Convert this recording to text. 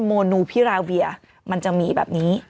โมนูพิราเวียมันจะมีแบบนี้